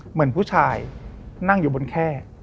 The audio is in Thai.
เหมือนผู้ชายนั่งอยู่บนแค่